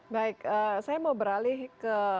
baik saya mau beralih ke